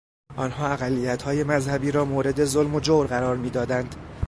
آنها اقلیتهای مذهبی را مورد ظلم و جور قرار میدادند.